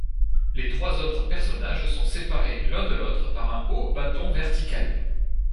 Les trois autres personnages sont séparés l'un de l'autre par un haut bâton vertical.